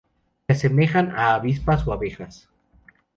Se asemejan a avispas o abejas.